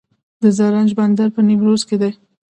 د زرنج بندر په نیمروز کې دی